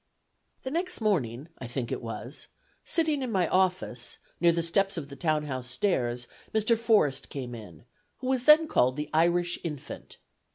"The next morning, I think it was, sitting in my office, near the steps of the town house stairs, Mr. Forrest came in, who was then called the Irish Infant.